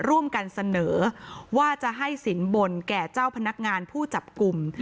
ร่วมกันเสนอว่าจะให้สินบนแก่เจ้าพนักงานผู้จับกลุ่ม